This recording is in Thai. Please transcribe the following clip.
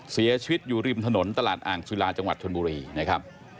เสียชีวิตอยู่ริมถนนตลาดอ่างศิลาจังหวัดชนบุรีนะครับ